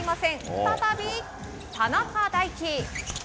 再び田中大貴。